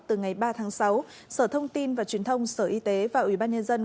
từ ngày ba tháng sáu sở thông tin và truyền thông sở y tế và ủy ban nhân dân